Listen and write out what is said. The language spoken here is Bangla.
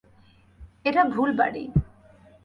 এটা ভুল বাড়ি।